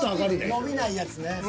伸びないやつね。